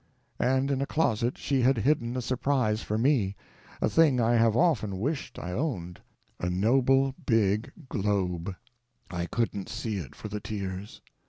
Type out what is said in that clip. And in a closet she had hidden a surprise for me—a thing I have often wished I owned: a noble big globe. I couldn't see it for the tears.